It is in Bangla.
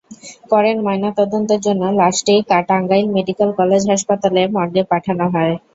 পরে ময়নাতদন্তের জন্য লাশটি টাঙ্গাইল মেডিকেল কলেজ হাসপাতাল মর্গে পাঠানো হয়।